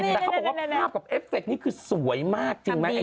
แต่เขาเขียวว่าภาพกับเอฟเฟกซ์นี่คือสวยมากจริงมั้ย